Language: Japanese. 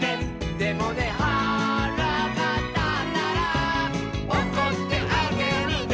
「でもねはらがたったら」「おこってあげるね」